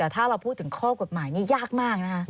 แต่ถ้าเราพูดถึงข้อกฎหมายนี้ยากมากนะคะ